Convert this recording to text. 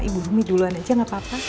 ibu bumi duluan aja gak apa apa